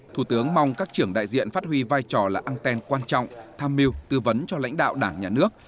thủ tướng mong các trưởng đại diện phát huy vai trò là anten quan trọng tham mưu tư vấn cho lãnh đạo đảng nhà nước